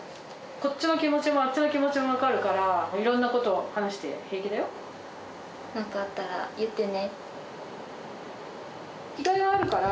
こっちの気持ちもあっちの気持ちも分かるから、いろんなこと話しなんかあったら言ってね。